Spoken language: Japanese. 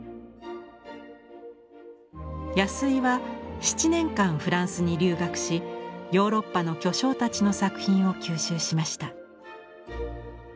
安井は７年間フランスに留学しヨーロッパの巨匠たちの作品を吸収しました。